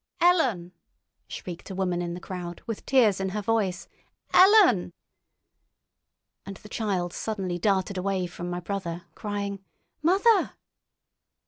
"Ellen!" shrieked a woman in the crowd, with tears in her voice—"Ellen!" And the child suddenly darted away from my brother, crying "Mother!"